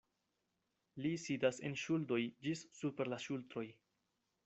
Li sidas en ŝuldoj ĝis super la ŝultroj.